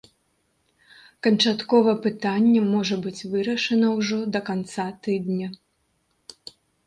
Канчаткова пытанне можа быць вырашана ўжо да канца тыдня.